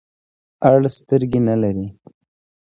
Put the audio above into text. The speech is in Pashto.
اړ سترګي نلری .